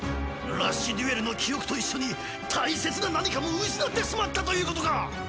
ラッシュデュエルの記憶と一緒に大切な何かも失ってしまったということか！？